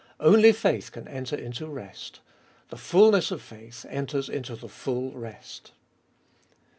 Only faith can enter into rest. The fulness of faith enters into the full rest.